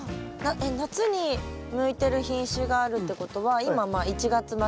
夏に向いてる品種があるってことは今まあ１月末で。